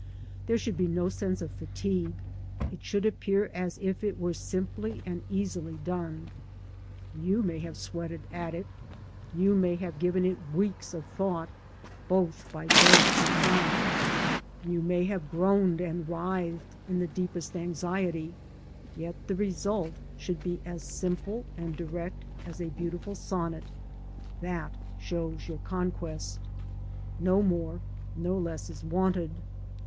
There should be no sense of fatigue; it should appear as if it were simply and easily done. You may have sweated at it, you may have given it weeks of thought, both by day and night; you may have groaned and writhed in the deepest anxiety, yet the result should be as simple and direct as a beautiful sonnet: that shows your conquest. No more, no less is wanted.